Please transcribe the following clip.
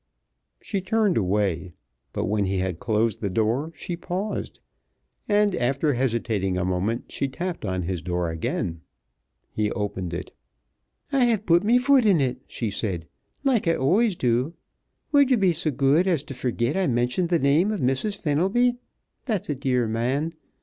She turned away, but when he had closed the door she paused, and after hesitating a moment she tapped on his door again. He opened it. "I have put me foot in it," she said, "like I always do. W'u'd ye be so good as t' fergit I mentioned th' name of Missus Fenelby, that's a dear man?